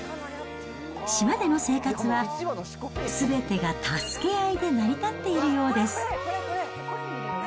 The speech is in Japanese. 島での生活は、すべてが助け合いで成り立っているようです。